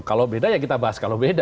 kalau beda ya kita bahas kalau beda